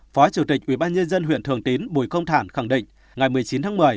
phó chủ tịch ubnd huyện thường tín bùi công thản khẳng định ngày một mươi chín tháng một mươi